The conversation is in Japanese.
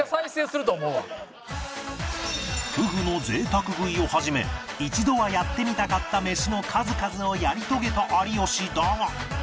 ふぐの贅沢食いを始め一度はやってみたかったメシの数々をやり遂げた有吉だが